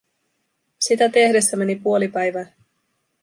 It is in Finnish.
Sitä tehdessä meni puoli päivää.